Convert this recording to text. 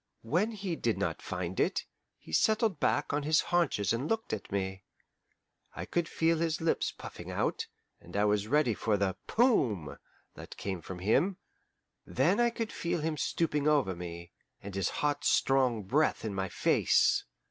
When he did not find it, he settled back on his haunches and looked at me. I could feel his lips puffing out, and I was ready for the "Poom!" that came from him. Then I could feel him stooping over me, and his hot strong breath in my face.